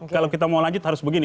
kalau kita mau lanjut harus begini